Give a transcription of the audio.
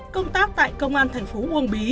công tác tại công an thành phố uông bí